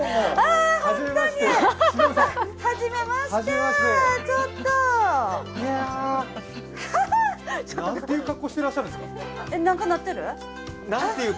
初めまして。